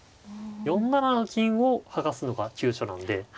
４七の金を剥がすのが急所なんで。